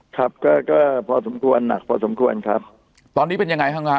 ครับก็ก็พอสมควรหนักพอสมควรครับตอนนี้เป็นยังไงบ้างฮะ